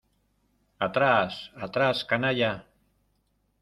¡ atrás!... ¡ atrás, canalla !